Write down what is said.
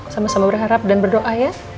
sama sama berharap dan berdoa ya